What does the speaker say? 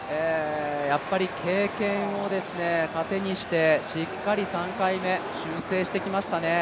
やっぱり経験を糧にしてしっかり３回目、修正してきましたね。